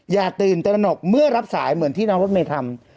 อย่าตื่นตระหนกเมื่อรับสายเหมือนที่น้องรถเมย์ทำ